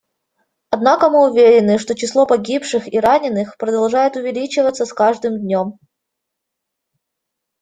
Однако мы уверены, что число погибших и раненых продолжает увеличиваться с каждым днем.